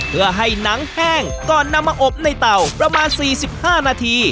เพื่อให้หนังแห้งก่อนนำมาอบในเต่าประมาณ๔๕นาที